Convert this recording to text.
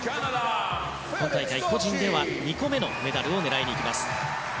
今大会個人では２個目のメダルを狙いにいきます。